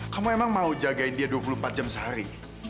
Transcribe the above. kamu emang mau jagain dia dua puluh empat jam sehari